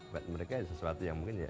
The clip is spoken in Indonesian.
buat mereka itu sesuatu yang sangat menarik